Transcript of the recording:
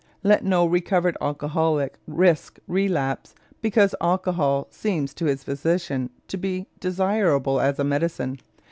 Let no recovered alcoholic risk relapse because alcohol seems to his physician to be desirable as a medicine.